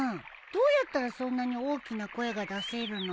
どうやったらそんなに大きな声が出せるの？